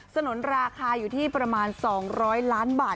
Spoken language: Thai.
สนุนราคาอยู่ที่ประมาณ๒๐๐ล้านบาท